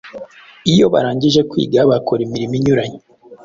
Iyo barangije kwiga, bakora imirimo inyuranye